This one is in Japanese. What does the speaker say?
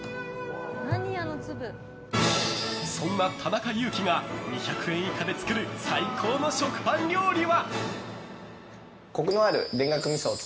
そんな田中佑樹が２００円以下で作る最高の食パン料理は？